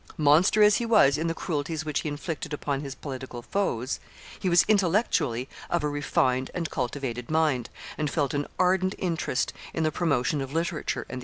Monster as he was in the cruelties which he inflicted upon his political foes, he was intellectually of a refined and cultivated mind, and felt an ardent interest in the promotion of literature and the arts.